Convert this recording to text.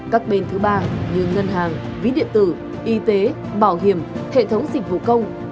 các bên thứ ba như ngân hàng ví điện tử y tế bảo hiểm hệ thống dịch vụ công